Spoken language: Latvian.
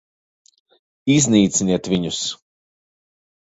Iznīciniet viņus!